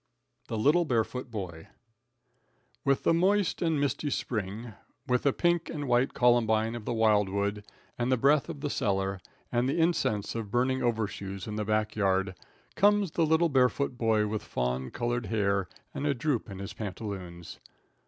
The Little Barefoot Boy. With the moist and misty spring, with the pink and white columbine of the wildwood and the breath of the cellar and the incense of burning overshoes in the back yard, comes the little barefoot boy with fawn colored hair and a droop in his pantaloons.